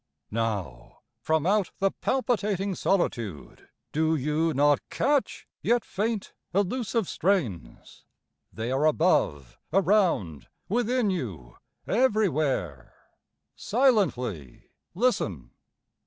Now, From out the palpitating solitude Do you not catch, yet faint, elusive strains? They are above, around, within you, everywhere. Silently listen!